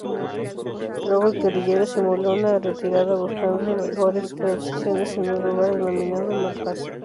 Luego el guerrillero simuló una retirada buscando mejores posiciones en un lugar denominado Malpaso.